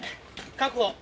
確保。